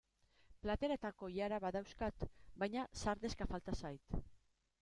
Platera eta koilara badauzkat baina sardexka falta zait.